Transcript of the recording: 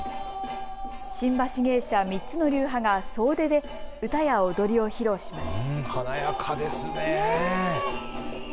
新橋芸者、３つの流派が総出で歌や踊りを披露します。